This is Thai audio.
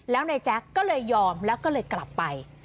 แล้วนายแจ๊คก็เลยยอมแล้วก็เลยกลับไป